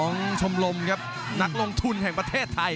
รับทราบบรรดาศักดิ์